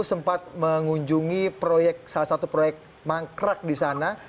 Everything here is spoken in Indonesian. sempat mengunjungi salah satu proyek mangkrak di sana